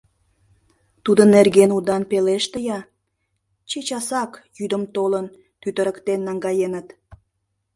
Тудын нерген удан пелеште-я! — чечасак, йӱдым толын, тӱтырыктен наҥгаеныт.